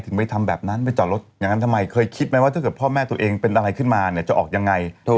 เอานุบเวลามาเข้าออกตอนไหน